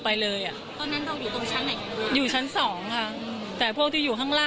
พูดสิทธิ์ข่าวธรรมดาทีวีรายงานสดจากโรงพยาบาลพระนครศรีอยุธยาครับ